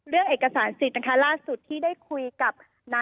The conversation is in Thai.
เรื่องเอกสารสิทธิ์นะคะล่าสุดที่ได้คุยกับ